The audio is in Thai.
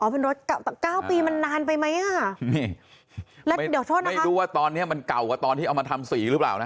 อ๋อเป็นรถเก้าปีมันนานไปไหมนี่แล้วเดี๋ยวทอดนะคะไม่รู้ว่าตอนนี้มันเก่ากับตอนที่เอามาทำสีหรือเปล่านะ